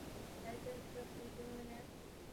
Vikosi vya usalama nchini Nigeria